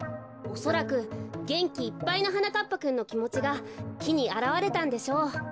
おそらくげんきいっぱいのはなかっぱくんのきもちがきにあらわれたんでしょう。